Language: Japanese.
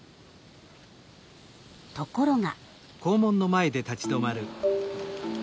ところが。